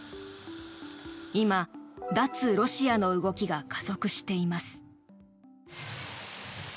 今、脱ロシアの動きが加速しています。